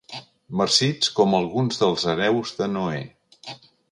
Marcits com alguns dels hereus de Noè.